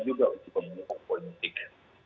juga untuk pemimpin politik